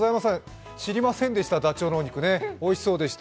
知りませんでした、ダチョウのお肉ね、おいしそうでした。